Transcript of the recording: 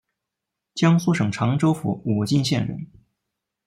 江苏省常州府武进县人。